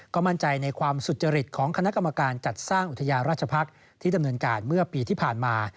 ก็มั่นใจในความสุจริตของคณะกรรมการจัดสร้างอุทยาราชภักษ์ที่ดำเนินการเมื่อปีที่ผ่านมา